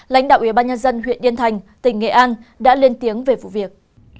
lãnh đạo ubnd huyện yên thành tỉnh nghệ an đã lên tiếng về vụ việc